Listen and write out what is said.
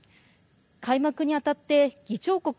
開幕にあたって議長国